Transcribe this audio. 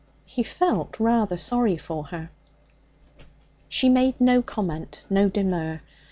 He felt rather sorry for her. She made no comment, no demur.